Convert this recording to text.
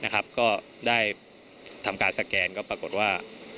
ก็ได้ทำการสแกนก็ปรากฏว่า